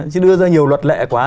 chứ đưa ra nhiều luật lệ quá